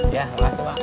iya makasih wak